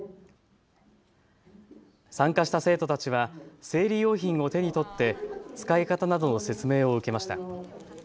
参加した生徒たちは生理用品を手に取って使い方などの説明を受けました。